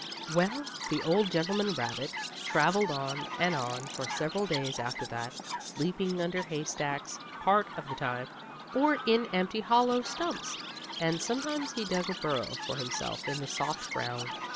Well, the old gentleman rabbit traveled on and on for several days after that, sleeping under hay stacks part of the time, or in empty hollow stumps, and sometimes he dug a burrow for himself in the soft ground.